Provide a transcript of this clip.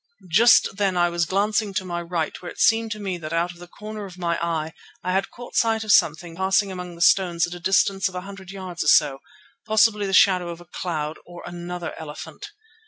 Just then I was glancing to my right, where it seemed to me that out of the corner of my eye I had caught sight of something passing among the stones at a distance of a hundred yards or so, possibly the shadow of a cloud or another elephant.